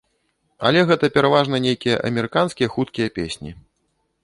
Але гэта пераважна нейкія амерыканскія хуткія песні.